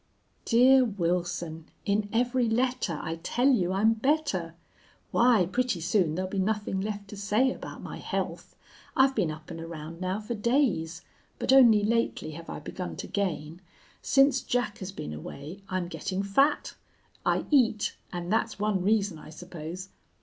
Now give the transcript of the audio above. "DEAR WILSON, In every letter I tell you I'm better! Why, pretty soon there'll be nothing left to say about my health. I've been up and around now for days, but only lately have I begun to gain. Since Jack has been away I'm getting fat. I eat, and that's one reason I suppose.